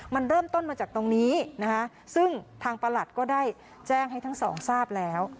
มันเริ่มต้นมาจากตรงนี้นะคะซึ่งทางประหลัดก็ได้แจ้งให้ทั้งสองทราบแล้ว